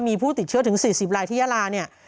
มีผู้ติดเชื้อถึง๔๐ลายที่ยาลาเนี่ย